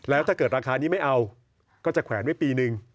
แล้วถ้าเกิดราคานี้ไม่เอาก็จะแขวนไว้ปีนึง